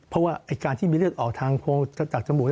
เพราะว่าการที่มีเลือดออกทางจากจมูก